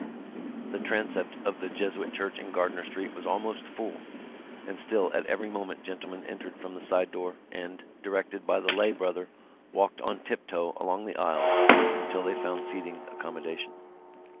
The transept of the Jesuit Church in Gardiner Street was almost full; and still at every moment gentlemen entered from the side door and, directed by the lay brother, walked on tiptoe along the aisles until they found seating accommodation.